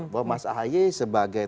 bahwa mas ahi sebagai